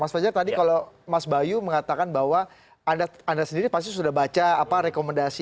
mas fajar tadi kalau mas bayu mengatakan bahwa anda sendiri pasti sudah baca rekomendasi